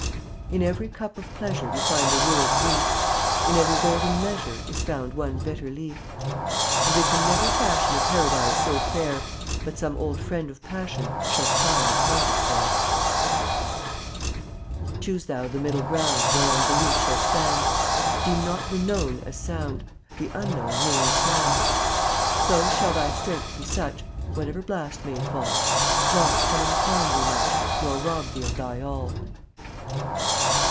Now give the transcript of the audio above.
32 In every cup of pleasure We find the rue of grief; In every golden measure Is found one bitter leaf; And we can never fashion A paradise so fair, But some old friend of passion Shall climb and haunt us there. 0Utt<£ 33 Choose thou the middle ground (fVftAt Whereon belief shall stand; „ Deem not the Known as sound, (J>£/ The Unknown merely sand; So shall thy strength be such, Whatever blast may fall, Loss cannot harm thee much Nor rob thee of thy all.